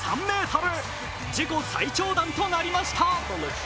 自己最長弾となりました。